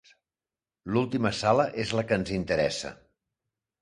L'última sala és la que ens interessa.